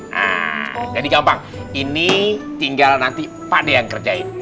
nah jadi gampang ini tinggal nanti pan yang kerjain